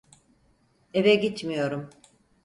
Eve gitmiyorum.